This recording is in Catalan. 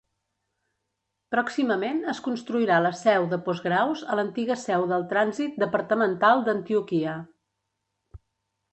Pròximament es construirà la seu de Postgraus a l'antiga seu del Trànsit Departamental d'Antioquia.